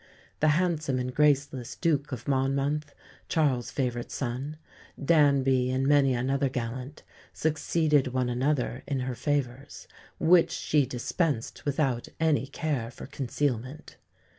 The handsome and graceless Duke of Monmonth, Charles's favourite son, Danby and many another gallant, succeeded one another in her favours, which she dispensed without any care for concealment.